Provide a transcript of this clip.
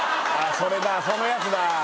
それだそのやつだ！